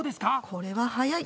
これは速い！